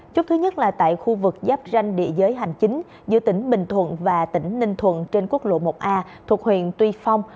chút thứ nhất là tại khu vực giáp ranh địa giới hành chính giữa tỉnh bình thuận và tỉnh ninh thuận trên quốc lộ một a thuộc huyện tuy phong